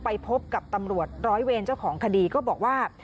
ไปพบกับตำรวจร้อยเวรเจ้าของคดีก็บอกว่า